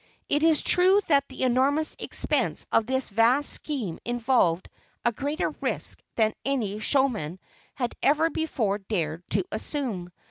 It is true that the enormous expense of this vast scheme involved a greater risk than any showman had ever before dared to assume.